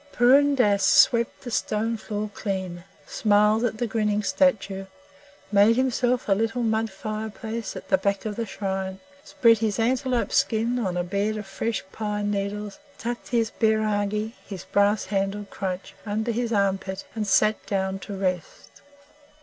Purun Dass swept the stone floor clean, smiled at the grinning statue, made himself a little mud fireplace at the back of the shrine, spread his antelope skin on a bed of fresh pine needles, tucked his bairagi his brass handled crutch under his armpit, and sat down to rest.